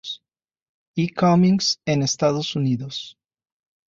E. Cummings en Estados Unidos.